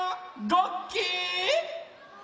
ごっき！